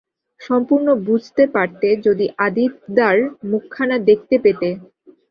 সম্পূর্ণ বুঝতে পারতে, যদি আদিতদার মুখখানা দেখতে পেতে।